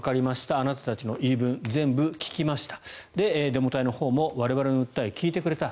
あなたたちの言い分を全部聞きましたデモ隊のほうも我々の訴えを聞いてくれた